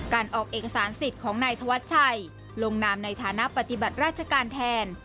การออกเอกสารสิทธิ์ของนายธวัชชัยลงนามในฐานะปฏิบัติราชการแทน